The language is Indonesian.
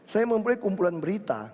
saya mempunyai kumpulan berita